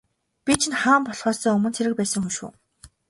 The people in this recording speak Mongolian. Би чинь хаан болохоосоо өмнө цэрэг байсан хүн шүү.